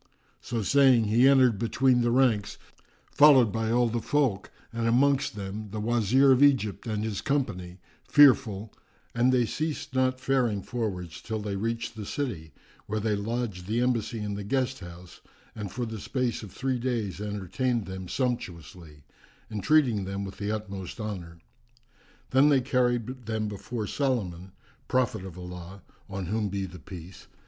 So saying, he entered between the ranks, followed by all the folk and amongst them the Wazir of Egypt and his company, fearful: and they ceased not faring forwards till they reached the city, where they lodged the embassy in the guest house and for the space of three days entertained them sumptuously, entreating them with the utmost honour. Then they carried them before Solomon, prophet of Allah (on whom be the Peace!)